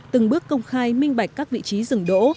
từng bước công khai minh bạch các vị trí rừng đỗ